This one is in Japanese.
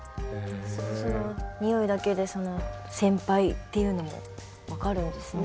ニオイだけでその先輩っていうのも分かるんですね